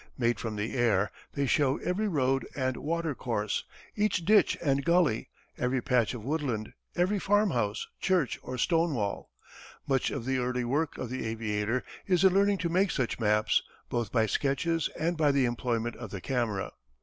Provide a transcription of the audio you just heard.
Made from the air they show every road and watercourse, every ditch and gully, every patch of woodland, every farmhouse, church, or stonewall. Much of the early work of the aviator is in learning to make such maps, both by sketches and by the employment of the camera.